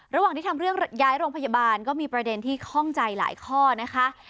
ระหว่างที่ทำเรื่องย้ายโรงพยาบาลก็มีประเด็นที่ข้องใจหลายข้อนะคะ